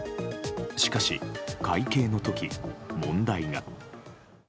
しかし会計の時、問題が。